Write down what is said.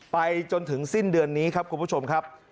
ไปจนถึงสิ้นเดือนนี้ครับคุณผู้ชมครับ